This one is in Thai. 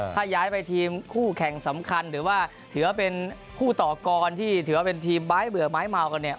ถ้าย้ายไปทีมคู่แข่งสำคัญหรือว่าถือว่าเป็นคู่ต่อกรที่ถือว่าเป็นทีมไม้เบื่อไม้เมากันเนี่ย